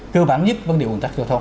cơ bản nhất vấn đề ồn tắc giao thông